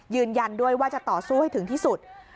ยืนยันด้วยว่าจะต่อสู้ให้ถึงที่สุด